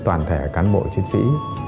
toàn thể cán bộ chiến sĩ